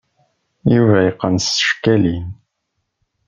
Yuba yeqqen s tcekkalin.